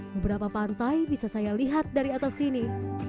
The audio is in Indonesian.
beberapa pantai bisa saya lihat dari atas sini